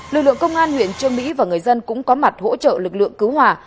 lực lượng công an huyện trương mỹ và người dân cũng có mặt hỗ trợ lực lượng cứu hỏa